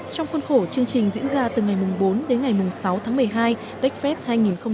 trong khuôn khổ chương trình diễn ra từ ngày bốn đến ngày sáu tháng một mươi hai techfest hai nghìn một mươi chín